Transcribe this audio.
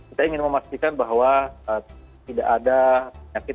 kita ingin memastikan bahwa tidak ada penyakit